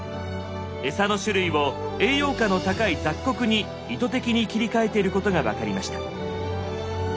餌の種類を栄養価の高い「雑穀」に意図的に切り替えてることが分かりました。